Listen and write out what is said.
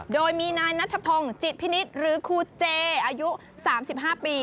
โดยมีนายนัทพงศ์จิตพินิษฐ์หรือครูเจอายุ๓๕ปี